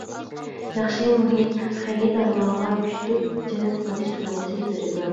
ياخشى مۇھىت خېرىدارلارغا كۈچلۈك جەلپ قىلىش تۇيغۇسى بېرىدۇ.